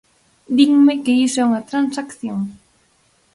Dinme que iso é unha transacción.